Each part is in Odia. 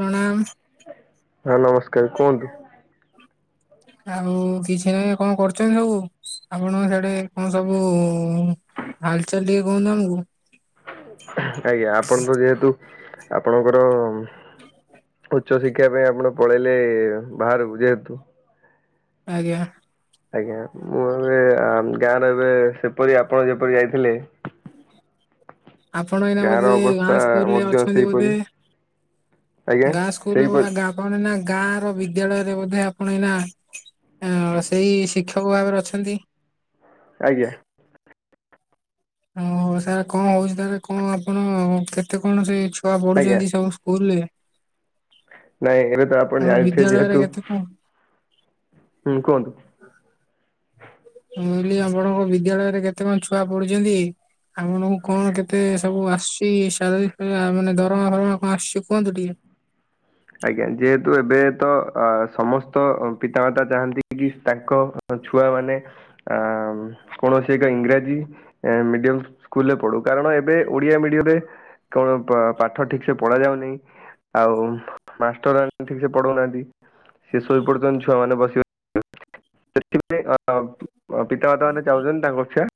ପ୍ରଣାମ ହଁ ନମସ୍କାର କୁହନ୍ତୁ? ଆଉ କିଛି ନାହିଁ କଣ କରୁଛନ୍ତି ସବୁ? ଆପଣ ସିଆଡ଼େ କଣ ସବୁ ହାଲଚାଲ ଟିକେ କୁହନ୍ତୁ ଆମକୁ? ଆଜ୍ଞା ଆପଣ ତ ଯେହେତୁ ଆପଣଙ୍କର ଉଚ୍ଚ ଶିକ୍ଷା ପାଇଁ ଆପଣ ପଳେଇଲେ ବାହାରିବୁ ଯେହେତୁ ଆଜ୍ଞା। ଆଜ୍ଞା ମୁଁ ଏବେ ଗାଁ ର ଏବେ ସେପରି ଆପଣ ଯେପରି ଯାଇଥିଲେ ଆପଣ ଏଇନା ଗାଁର ବୋଧେ ଅବସ୍ଥା ଗାଁ ସ୍କୁଲ ରେ ମଧ୍ୟ ଅଛନ୍ତି ବୋଧେ? ସେହିପରି ଆଜ୍ଞା ଗାଁ ସେହିପରି ସ୍କୁଲରେ ଆପଣ ଗାଁ ର ବିଦ୍ୟାଳୟରେ ବୋଧେ ଆପଣ ଏନା ଆ ସେଇ ଶିକ୍ଷକ ଭାବରେ ଅଛନ୍ତି। ଆଜ୍ଞା। ହଁ ସାର୍ କଣ ହଉଛି ତାର କଣ ଆପଣ କେତେ କଣ ସେ ଛୁଆ ଆଜ୍ଞା ପଢୁଛନ୍ତି ସବୁ ସ୍କୁଲ ରେ ନାଇଁ ଏବେ ତ ଆପଣ ଆମ ଯାଣିଥିବେ ବିଦ୍ୟାଳୟରେ ଯେହେତୁ କେତେ କଣ ହୁଁ କୁହନ୍ତୁ? ମୁଁ କହିଲି ଆପଣଙ୍କ ବିଦ୍ୟାଳୟରେ କେତେ କଣ ଛୁଆ ପଢୁଛନ୍ତି? ଆପଣଙ୍କୁ କଣ କେତେ ସବୁ ଆସୁଚି ସାଲାରୀ ଫାଲାରି ମାନେ ଦରମା ଫରମା କଣ ଆସୁଛି କୁହନ୍ତୁ ଟିକେ? ଆଜ୍ଞା ଯେହେତୁ ଏବେ ତ ସମସ୍ତ ପିତାମାତା ଚାହାନ୍ତି କି ତାଙ୍କ ଛୁଆ ମାନେ ଆ କୌଣସି ଏକ ଇଂରାଜୀ ମିଡିୟମ ସ୍କୁଲରେ ପଢୁ କାରଣ ଏବେ ଓଡିଆ ମିଡିୟମରେ କଣ ପାଠ ଠିକ ସେ ପଢା ଯାଉନହିଁ ଆଉ ମାଷ୍ଟର ମାନ ଠିକ ସେ ପଢଉନାହାନ୍ତି ସେ ଶୋଇପାରୁୁଛନ୍ତି ଛୁଆମାନେ ବସିକି ସେଥିପାଇଁ ପିତାମାତା ମାନେ ଚାହୁଁଛନ୍ତି ତାଙ୍କ ଛୁଆ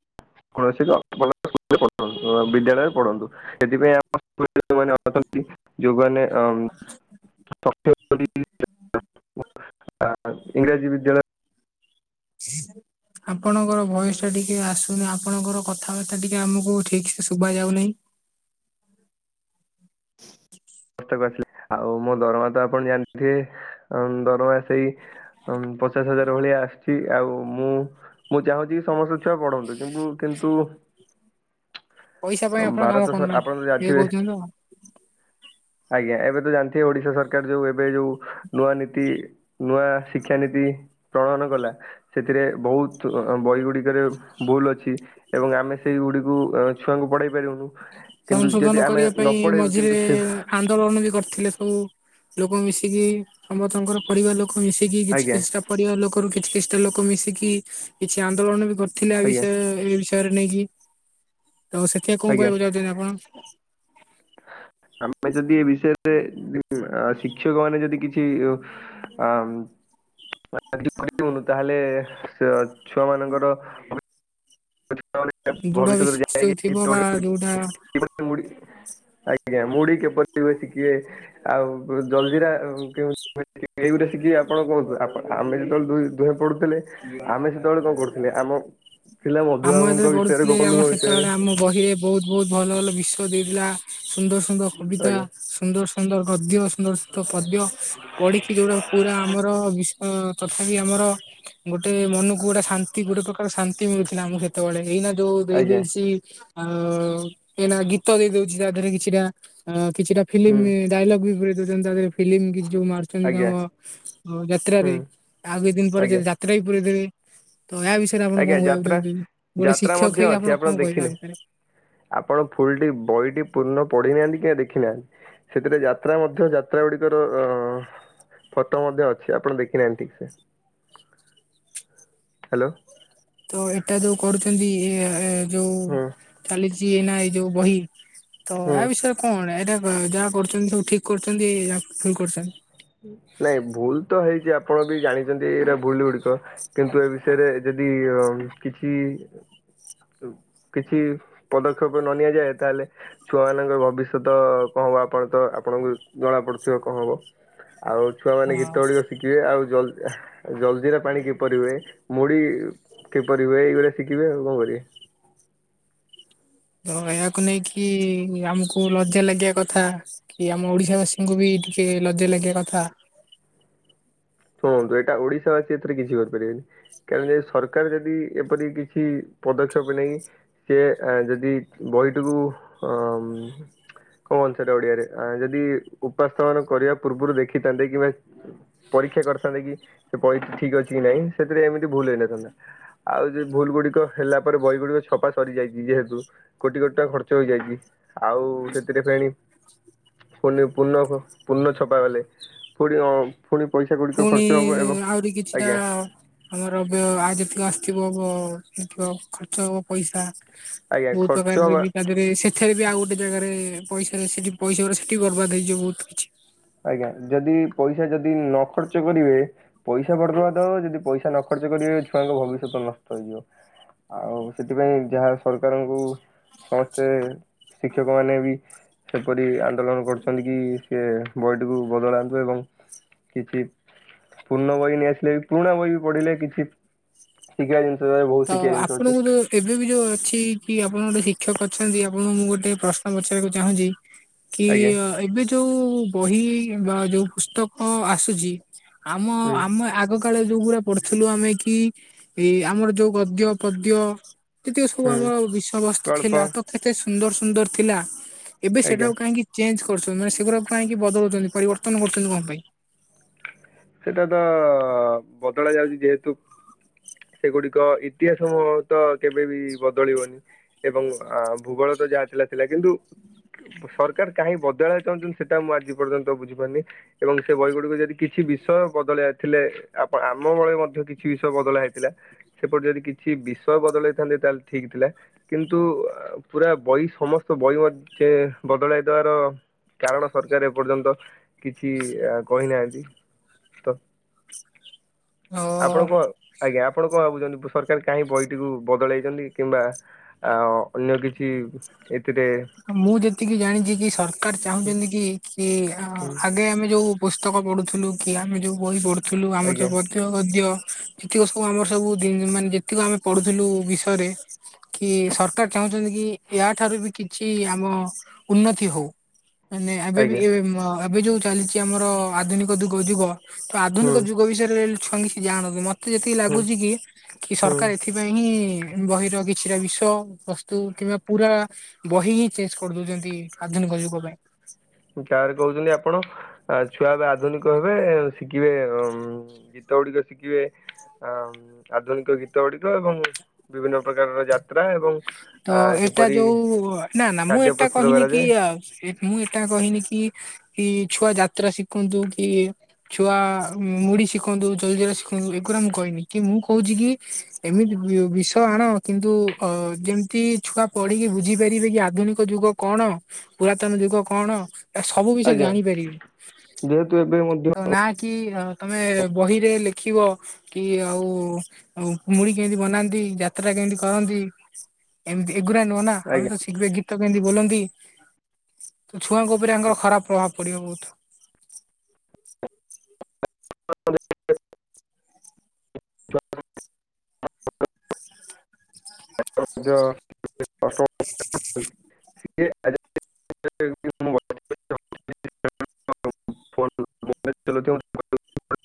କୌଣସି [unintelligible] ବିଦ୍ୟାଳୟରେ ପଢ଼ନ୍ତୁ ସେଥିପାଇଁ ଆମ [unintelligible] ଅଛନ୍ତି। ଯୋଉଁମାନେ [unintelligible] ଇଂଗ୍ରାଜୀ ବିଦ୍ୟାଳୟ [unintelligible] ଆପଣଙ୍କର ଭଏସ ଟା ଟିକେ ଆସୁନି ଆପଣଙ୍କର କଥାବାର୍ତ୍ତା ଟିକେ ଆମକୁ ଠିକ ସେ ଶୁଭ ଯାଉନାହିଁ। [inaudible] ଆଉ ମୋ ଦରମା ତ ଆପଣ ଜାଣିଥିବେ ଆ ଦରମା ସେଇ ପଚାଶ ହଜାର ଭଳିଆ ଆସିଛି ଆଉ ମୁଁ ମୁଁ ଚାହୁଁଛି ସମସ୍ତେ ଛୁଆ ପଢନ୍ତୁ କିନ୍ତୁ କିନ୍ତୁ ପଇସା ପାଇଁ ଆପଣ କାମ ଭାରତ ଆପଣ କରୁନାହାନ୍ତି ତ କିଏ ଜାଣିଥିବେ କହୁଛନ୍ତି ଆ ଆଜ୍ଞା ଏବେ ତ ଜାଣିଥିବେ ଓଡିଶା ସରକାର ଯୋଉ ଏବେ ଯୋଉ ନୂଆ ନୀତି ନୂଆ ଶିକ୍ଷାନୀତି ପ୍ରଣୟନ କଲା ସେଥିରେ ବହୁତ ଅଁ ବହି ଗୁଡିକରେ ଭୁଲ ଅଛି ଏବଂ ଆମେ ସେଇ ଗୁଡିକୁ ଆ ଛୁଆଙ୍କୁ ପଢେଇ ପାରିବୁନୁ କିନ୍ତୁ ସଂଶୋଧନ ଯଦି ଆମେ ନ ପଢେଇବୁ କିନ୍ତୁ ସେ ରଣନୀତି କରିଥିଲେ ସବୁ ଲୋକ ମିଶିକି ସମସ୍ତଙ୍କର ପରିବାର ଲୋ ଲୋକ ମିଶିକି କିଛି ଆଜ୍ଞା କିଛିଟା ପରିବା ର ଲୋକରୁ କିଛି କିଛିଟା ଲୋକ ମିଶିକି କିଛି ଆନ୍ଦୋଳନ ବି କର ଥିଲା ଏ ଆଜ୍ଞା ବିଷୟରେ ଏ ବିଷୟରେ ନେଇକି ତ ସେଥି ଆଉ କଣ ଆଜ୍ଞା କହିବାକୁ ଚାଉଛନ୍ତି ଆପଣ? ଆମେ ଯଦି ଏ ବିଷୟରେ ଶିକ୍ଷକ ମାନେ ଯଦି କିଛି ଆ ହ ଯ କରିଉନୁ ତାହେଲେ ସେ ଛୁଆ ମାନଙ୍କର [unintelligible] ଦୃଢ ଭବିଷ୍ୟରେ ବିଶ୍ୱାସ ଯୋଉ ଥିବ ବା ଯୋଉଟା [unintelligible] ଆଜ୍ଞା ମୁଢି କେପରି ହୁଏ ଶିଖିବେ ଆଉ ଜଲଜିିରା କେମ ଏଇ ଗୋଟା ଶଖିବେ ଆପଣ କୁହନ୍ତୁ ଆମେ ଯେତେବେଳେ ଦୁ ଦୁହେ ପଡୁଥିଲେ ଆମେ ସେ ସେତେବେଳେ କଣ କରୁଥିଲେ ଆମ ଥିଲା ଆମ ମଧୁବାବୁଙ୍କ ଯେତବେଳେ ବିଷୟରେ ପଢୁଥିଲେ ଆମ ଗୋପବନ୍ଧୁଙ୍କ ବିଷୟରେ ସେତେବେଳେ ଆମ ବହିରେ ବହୁତ ବହୁତ ଭଲ ଭଲ ବିଷ ଦେଇଥିଲା। ସୁନ୍ଦର ସୁନ୍ଦର କବିତା ଆଜ୍ଞା ସୁନ୍ଦର ସୁନ୍ଦର ଗଦ୍ୟ ସୁନ୍ଦର ସୁନ୍ଦର ପ ଦ୍ୟ ପଢିକି ଯୋଉଟା ପୁରା ଆମର ବିସକ ତଥାପି ଆମର ଗୋଟେ ମନକୁ ଗୋଟେ ଶାନ୍ତି ଗୋଟେ ପ୍ରକାର ଶାନ୍ତି ମିଳୁଥିଲା ଆମକୁ ସେତେବେଳେ ଏଇନା ଯୋଉ ଦେଇ ଆଜ୍ଞା ଦେଇଛି ଆଉ ଏଇନା ଗୀତ ଦେଇ ଦଉଛି ତା ଦେହରେ କିଛିଟା କିଛିଟା ଫିଲ୍ମ ହୁଁ ଡାଇଲଗ ବି ପୁର ଦଉଛନ୍ତି ତାରେ ଫିଲ୍ମ କିଛି ଯୋଉ ମାରୁଛନ୍ତି ଆଜ୍ଞା ତାଙ୍କ ଯାତ୍ରାରେ ହୁଁ ଆଉ କିଛି ଦିନ ପରେ ଆଜ୍ଞା ଯ-ଯାତ୍ରା ର ବି ପୁରେଇ ଦେବେ। ଆଜ୍ଞା ଯାତ୍ରା ଗୋଟେ ଯାତ୍ରା ଶିକ୍ଷକ ମଧ୍ୟ ହେଇକି ଅଛି କଣ ଆପଣ କହିବେ ଆ ଦେଖିଲେ। ଭିତରେ? ଆପଣ ଫୁଲଟି ବହିଟି ପୂର୍ଣ୍ଣ ପଢିନାହାନ୍ତି। କିଆ ଦେଖିନାହାନ୍ତି ସେଥିରେ ଯାତ୍ରା ମଧ୍ୟ ଯାତ୍ରା ଗୁଡିକର ଅ ଫଟୋ ମଧ୍ୟ ଅଛି ଆପଣ ଦେଖିନାହାନ୍ତି ଠିକସେ। ହ୍ୟାଲୋ। ତ ଏଇଟା ଯୋଉ କରୁଛନ୍ତି ଏ-ଏ ଯୋଉ ହୁଁ ଚାଲିଛି ଏନା ଏ ଯୋଉ ବହି। ତ ହୁଁ। ଏୟା ବିଷୟରେ କଣ ଏଇଟା ଯାହା କରୁଛନ୍ତି ସବୁ ଠିକ କରୁଛନ୍ତି ଭୁଲ କରୁଛନ୍ତି? ନାଇଁ ଭୁଲ ତ ହେଇଛି ଆପଣ ବି ଜାଣିଛନ୍ତି ଏଇରା ଭୁଲ ଗୁଡିକ କିନ୍ତୁ ଏ ବିଷୟରେ ଯଦି ଯଦି କିଛି କିଛି ପଦକ୍ଷେପ ନ ନିଆଯାଏ ତାହେଲେ ଛୁଆ ମାନଙ୍କର ଭବିଷ୍ୟତ କଣ ହବ ଆପଣ ତ ଆପଣଙ୍କୁ ଜଣା ପଡୁଥିବ କଣ ହବ। ଆଉ ଛୁଆମାନେ ହଁ ଗୀତ ଗୁଡିକ ଶିଖିବେ ଆଉ ଜଲ ଜଲଜିିରା ପାଣି କିପରି ହୁଏ ମୁଢ଼ି କିପରି ହୁଏ ଏଇଗୁଡା ଶିଖିବେ ଆଉ କଣ କରିବେ। ତ ଏହାକୁ ନେଇକି ଆମକୁ ଲଜ୍ଜା ଲାଗିବା କଥା କି ଆମ ଓଡିଶା ବାସୀଙ୍କୁ ବି ଟିକେ ଲଜ୍ୟା ଲାଗିବ କଥା। ଶୁଣନ୍ତୁ ଏଇଟା ଓଡିଶା ବାସୀ ଏଥିରେ କିଛି କରିପାରିବେନି କାରଣ ସରକାର ଯଦି ଏପରି କିଛି ପଦକ୍ଷେପ ନେଇକି ସିଏ ଏ ଯଦି ବହିଟିକୁ ଅ କଣ ଆନସାରଟା ଓଡିଆରେ ଯଦି ଉପାସ୍ଥା ମାନ କରିବା ପୂର୍ବରୁ ଦେଖିଥାନ୍ତେ କିମ୍ବା ପରୀକ୍ଷା କରିଥାନ୍ତେ କି ସେ ବହି ଠିକ ଅଛି କି ନାଇଁ ସେଥିରେ ଏମିତି ଭୁଲ ହେଇନଥାନ୍ତା ଆଉ ଯଉ ଭୁଲ ଗୁଡ଼ିକୁ ତ ହେଲା ପରେ ବହି ଗୁଡିକ ଛପା ସରିଯାଇଛି ଯେହେତୁ କୋଟି କୋଟି ଟଙ୍କା ଖର୍ଚ୍ଚ ହେଇଯାଇଛି ଆଉ ସେ ସେ ଫେଣି ପୂ-ପୂର୍ଣ୍ଣ -ପୂର୍ଣ୍ଣ ଛପାଗଲେ ଗଲେ କୋଉଠି ଅ ପୁଣି ପଇସା ଗୁଡିକ ପୁଣି ଖର୍ଚ୍ଚ ହବ ଏବଂ ଆହୁରି କିଛିଟା ଆଜ୍ଞା ଆମର ରବ୍ୟ ଆଜ ତିକ ଥିବଥିବ ଖର୍ଚ୍ଚ ହବ ପଇସା। ଆଜ୍ଞା ବହୁତ ଖର୍ଚ୍ଚ ପ୍ରକାରରେ ହବା ବି ତା ଦେହରେ ସେଠାରେ ବି ଆଉ ଗୋଟେ ଜାଗାରେ ପଇସାରେ ସେଠି ପଇସା ଗୁରା ସେଠି ବରର୍ବାଦ ହେଇଯିବ ବହୁତ କିଛି ଆଜ୍ଞା ଯଦି ପଇସା ଯଦି ନ ଖର୍ଚ୍ଚ କରିବେ ପଇସା ବରବ [unintelligible] ତ ଯଦି ପଇସା ନ ଖର୍ଚ୍ଚ ଯଦି କରିବେ ଛୁଆଙ୍କ ଭବିଷ୍ୟତ ନଷ୍ଟ ହେଇଯିବ ଆଉ ସେଥିପାଇଁ ଯାହା ସରକାରଙ୍କୁ ସମସ୍ତେ ଶିକ୍ଷକ ମାନେ ବି ସେପରି ଆନ୍ଦୋଳନ କରୁଛନ୍ତି କି ସିଏ ବହିଟି କୁ ବଦଳାନ୍ତୁ ଏବଂ କିଛି ପୂର୍ଣ୍ଣ ବହି ନେଇ ଆସିଲେ ବି ପୁରୁଣା ବହି ବି ପଢିଲେ କିଛି ଶିକ୍ଷା ଜି ତ ଆପଣଙ୍କୁ ଯୋଉ ଏବେ ବି ଯୋଉ ଅଛି କି ଆପଣ ଗୋଟେ ଶିକ୍ଷକ ଅଛନ୍ତି ଆପଣଙ୍କୁ ମୁଁ ଗୋଟେ ପ୍ରଶ୍ନ ପଚାରିବାକୁ ଚାହୁଁଛି କି ଆଜ୍ଞା ଏବେ ଯୋଉ ବହି ବା ଯୋଉ ପୁସ୍ତକ ଆସୁଛି ଆମ ହୁଁ ଆମେ ଆଗ କାଳ ଯୋଉଗୁଡା ପଢୁଥିଲୁ ଆମେ କି ଏ ଆମର ଯୋଉ ଗଦ୍ୟ ପଦ୍ୟ ଯେତିକ ସବୁ ହୁଁ ଆମର ବିଷୟ ବସ୍ତୁ ଗଳ୍ପ ଥିଲା ତ କେତେ ସୁ ସୁନ୍ଦର ସୁନ୍ଦର ଥିଲା ଏବେ ଆଜ୍ଞା ସେଟାକୁ କାହିଁକି ଚେଞ୍ଜଜ୍‌ କରୁସନ୍ତି ମାନେ ସେଗୁରା କାହିଁକି ବଦଳଉଛନ୍ତି ପରିବର୍ତ୍ତନ କରୁଛନ୍ତି କଣ ପାଇଁ? ସେଟା ତ ବଦଳା ଯାଉଛି ଯେହେତୁ ସେଗୁଡିକ ଇତିହାସ ମୁହତ କେବେ ବି ବଦଳିବନି ଏବଂ ଭୂଗୋଳ ଯାହା ଥିଲା ଥିଲା କିନ୍ତୁ ସରକାର କାହିଁ ବଦଳିବା ଚାହୁଁଛନ୍ତି ସେଟା ମୁଁ ଆଜି ପର୍ଯ୍ୟନ୍ତ ବୁଝିପାରୁନି ଏବଂ ସେ ବହି ଗୁଡିକୁ ଯଦି କିଛି ବି ବିଷୟ ବଦଳି ଥିଲେ ଆପ ଆମ ବଳ ମଧ୍ୟ କିଛି ବିଷୟ ବଦଳା ହେଇଥିଲା ସେପଟେ ଯଦି କିଛି ବି ବିଷ ବଦଳେଇଥାନ୍ତେ ତାହେଲେ ଠିକ୍ ଥିଲା କିନ୍ତୁ ପୁରା ବହି ସମସ୍ତ ବହି ମଧ୍ୟ ଚେ ବଦଳାଇ ଦବାର କାରଣ ସରକାର ଏପର୍ଯ୍ୟନ୍ତ କିଛି କହିନାହାନ୍ତି। ତ ଅ ଆପଣ କ ଆଜ୍ଞା। ଆପଣ କଣ ଭାବୁଛନ୍ତି ସରକାର କାହିଁ ବହିଟି କୁ ବଦଳାଇଛନ୍ତି କିମ୍ବା ଅନ୍ୟ କିଛି ଏ ମୁଁ ଯେତିକି ଜାଣିଛି କି ସରକାର ଚାହୁଁଛନ୍ତି କି କି ଆଗେ ଆମେ ଯୋଉ ପୁସ୍ତକ ପଢ଼ୁଥିଲୁ କି ଆମେ ଯେଉଁ ବହି ପଢ଼ୁଥିଲୁ ଆମର ଆଜ୍ଞା ଯୋଉ ଗଦ୍ୟ ଗଦ୍ୟ ଯେତିକ ସବୁ ଆମର ସବୁ ମାନେ ଯେତିକ ଆମେ ପଢୁଥିଲୁ ବିଷୟରେ କି ସରକାର ଚାହୁଁଛନ୍ତି କି ୟା ଠାରୁ ବି କି ଛି ଆମ ଉନ୍ନତି ହୋଉ ମାନେ ଏବେ ବି ଆଜ୍ଞା ଅ ମା ଭାବିଛୁ ଯୋଉ ଚାଲିଛି ଆମର ଆଧୁନିକ ଯୁଗ ଯୁଗ ତ ଆଧୁନିକ ହୁଁ ଯୁଗ ରେ ଛୁଙ୍ଗି ସେ ଜାଣନ୍ତୁ ମତେ ଯେତିକି ହୁଁ ଲାଗୁଛି କି କି ସରକାର ହୁଁ ଏଥିପାଇଁ ହିଁ ବହିର କିଛି ଟା ବିଷୟ ବସ୍ତୁ କିମ୍ବା ପୁରା ବହି ହିଁ ଚେଞ୍ଜଜ୍‌ କରିଦୋଉଛନ୍ତି ଆଧୁନିକ ଯୁଗ ପାଇଁ। କାରେ କହୁଛନ୍ତି ଆପଣ ଛୁଆ ଏବେ ଆଧୁନିକ ହେବେ ଶିଖିବେ ଗୀ ତ ଗୁଡିକ ଶିଖିବେ ଆଧୁନିକ ଗୀତ ଗୁଡିକ ଏବଂ ବିଭିନ୍ନ ପ୍ରକାରର ଜା ତ ଏଇଟା ଯୋଉ ନା ନା ମୁଁ ଖାଦ୍ୟ ଏଟା ପ୍ରସ୍ତୁତ କହିନି କି କରାଯାଏ ମୁଁ ଏଟା କହିନି କି କି ଛୁଆ ଯାତ୍ରା ଶିଖନ୍ତୁ କି ଛୁଆ ମୁଢି ଶିଖନ୍ତୁ ଜଲ୍ଦି ଅ ଏ ଗୁରା ମୁଁ କହିନି କି ମୁଁ କହୁଛି କି ଏମିତି ବିଷ ଆଣ କିନ୍ତୁ ଅ ଯେମିତି ଛୁଆ ପଢିକି ବୁଝିପାରିବେ କି ଆଧୁନିକ ଯୁଗ କଣ ପୁରାତନ ଯୁଗ କଣ ସବୁ ବିଷୟ ଆଜ୍ଞା ଜାଣିପାରିବେ ଯେହେତୁ ଏବେ ମଧ୍ୟ ତ ନା କି ତମେ ବହିରେ ଲେଖିବ କି ଆଉ ମୁଢ଼ି କେମିତି ବନାନ୍ତି। ଯାତ୍ରା କେମିତି କରନ୍ତି ଏମିତି ଏ ଗୁରା ନୁହଁ ନା ଆମ ଆଜ୍ଞା ତ ଆମେ ସିର୍ଘ ଗିଫ୍ଟ ଗୀତ କେମିତି ବୋଲନ୍ତି ତ ଛୁଆଙ୍କ ଉପରେ ତାଙ୍କର ଖରାପ ପ୍ରଭାବ ପଡିବ ବହୁତ। [unintelligible] ଯୋଉ। [unintelligible] ବନ୍ଧୁ। [unintelligible]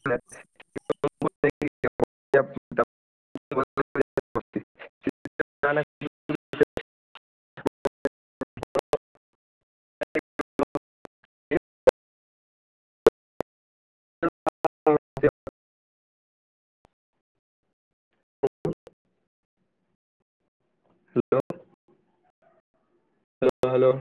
[unintelligible] [unintelligible] [unintelligible] Hello hello hello.